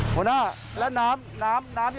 หมอหน้าและน้ำนับที่รออยู่รถสถาปิด